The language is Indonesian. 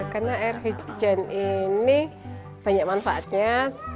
karena air hujan ini banyak manfaatnya